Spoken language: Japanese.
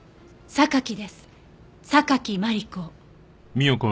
榊マリコ。